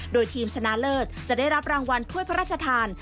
โดยทีมชนะเลิศจะได้รับรางวัลถ้วยพระราชทาน